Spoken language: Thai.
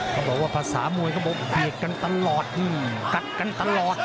เขาบอกว่าภาษามวยเขาบอกเบียดกันตลอดกัดกันตลอด